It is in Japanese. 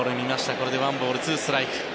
これで１ボール２ストライク。